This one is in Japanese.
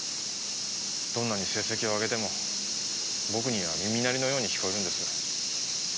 どんなに成績をあげても僕には耳鳴りのように聞こえるんです。